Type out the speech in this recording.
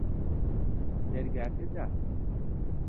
دەرگاکە داخە